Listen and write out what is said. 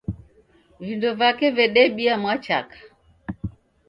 Vindo vake vedebia mwachaka